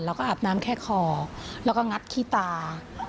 อาบน้ำแค่คอแล้วก็งัดขี้ตา